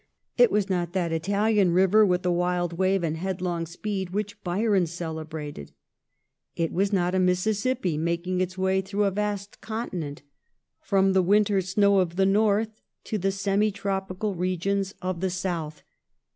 It was not that Italian river with the wild wave and headlong speed which Byron celebrated. It was not a Mississippi making its way through a vast continent, from the winter snow of the North to the semi tropical regions of 254 THE REIGN OF QUEEN ANNE. oh. xxxii. the South.